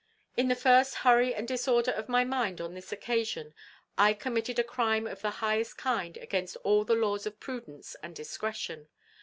"In the first hurry and disorder of my mind on this occasion I committed a crime of the highest kind against all the laws of prudence and discretion.